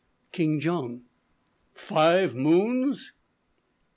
King John. "Five moons?"